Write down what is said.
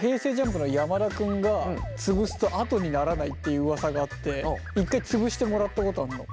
ＪＵＭＰの山田君が潰すと跡にならないっていううわさがあって一回潰してもらったことあんの。